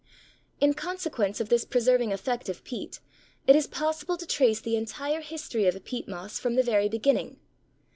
In consequence of this preserving effect of peat, it is possible to trace the entire history of a peat moss from the very beginning.